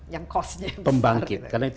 yang costnya pembangkit karena itu